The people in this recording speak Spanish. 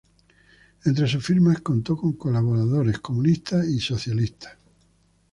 Entre sus firmas contó con colaboradores comunistas y socialistas.